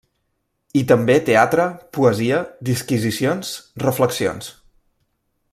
I també teatre, poesia, disquisicions, reflexions.